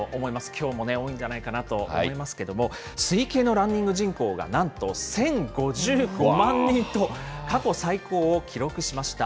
きょうもね、多いんじゃないかなと思いますけれども、推計のランニング人口がなんと１０５５万人と、過去最高を記録しました。